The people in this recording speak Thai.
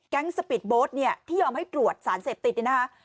สปีดโบ๊ทเนี่ยที่ยอมให้ตรวจสารเสพติดเนี่ยนะคะ